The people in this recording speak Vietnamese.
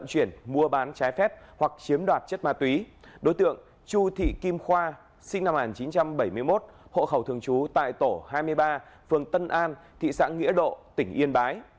sinh năm hàn chín trăm bảy mươi một hộ khẩu thường chú tại tổ hai mươi ba phường tân an thị xã nghĩa độ tỉnh yên bái